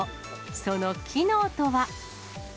その機能とは。